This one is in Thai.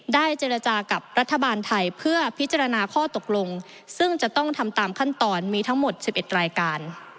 เจรจากับรัฐบาลไทยเพื่อพิจารณาข้อตกลงซึ่งจะต้องทำตามขั้นตอนมีทั้งหมด๑๑รายการ